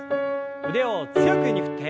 腕を強く上に振って。